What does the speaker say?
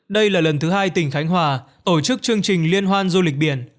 đây là lần thứ hai tỉnh khánh hòa tổ chức chương trình liên hoan du lịch biển